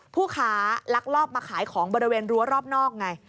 ผู้ค้าลักลอบมาขายของบริเวณรั้วรอบนอกไง